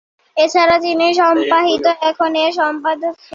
এছাড়া তিনি সাপ্তাহিক ‘এখন’ এর সম্পাদক ছিলেন।